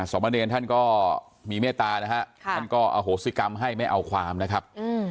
สมเนรท่านก็มีเมตตานะฮะท่านก็อโหสิกรรมให้ไม่เอาความนะครับ